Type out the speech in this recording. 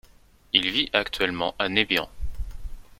Il vit actuellement à Nébian.